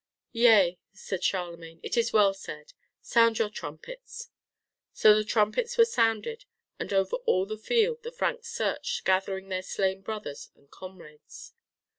"Yea," said Charlemagne, "it is well said. Sound your trumpets!" So the trumpets were sounded, and over all the field the Franks searched, gathering their slain brothers and comrades.